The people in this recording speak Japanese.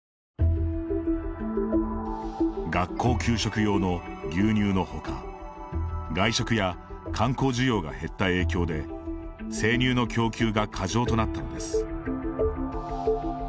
学校給食用の牛乳のほか外食や観光需要が減った影響で生乳の供給が過剰となったのです。